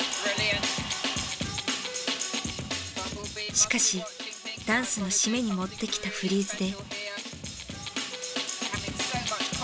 しかしダンスの締めに持ってきたフリーズで。